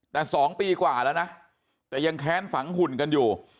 แต่๒ปีกว่าแล้วนะแต่ยังแค้นฝังหุ่นกันอยู่